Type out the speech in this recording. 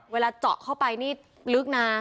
เวลาเจาะเข้าไปนี่ลึกนะ